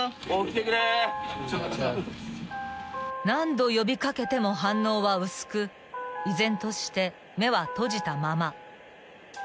［何度呼び掛けても反応は薄く依然として目は閉じたまま］